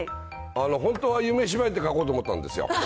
本当は夢芝居って書こうと思ったんですよ。